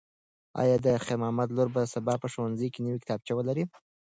ایا د خیر محمد لور به سبا په ښوونځي کې نوې کتابچه ولري؟